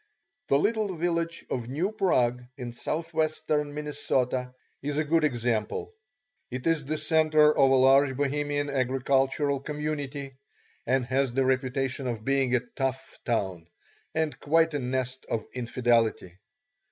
The little village of New Prague in southwestern Minnesota is a good example. It is the centre of a large Bohemian agricultural community, and has the reputation of being a "tough" town and quite a nest of infidelity.